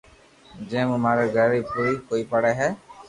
جي مو ماري گھر ري پوري ڪوئي پڙي ھي